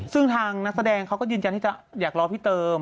ซึ่งทางนักแสดงเขาก็ยืนยันที่จะอยากรอพี่เติม